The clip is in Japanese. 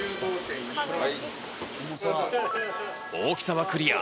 大きさはクリア。